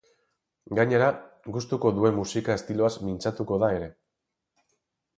Gainera, gustuko duen musika estiloaz mintzatuko da ere.